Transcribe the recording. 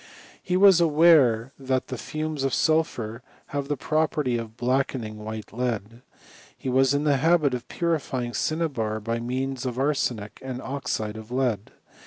He was aware that the fumes of sulphur have the property of blackening white lead. He was in the nabit of purifying cinnabar by means of arsenic and oxide of lead.